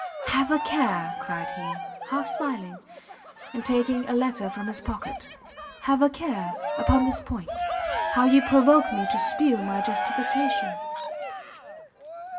"Have a care," cried he, half smiling, and taking a letter from his pocket, "have a care, upon this point, how you provoke me to spew my justification!"